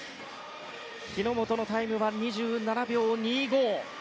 日本のタイムは２７秒２５。